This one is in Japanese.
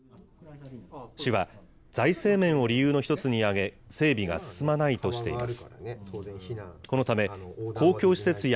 市は、財政面を理由の一つに挙げ、整備が進まないとしています。